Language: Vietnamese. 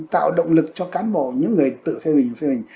tạo động lực cho cán bộ những người tự phê bình phê bình